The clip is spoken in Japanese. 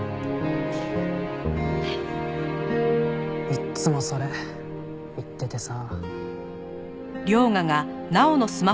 いっつもそれ言っててさ。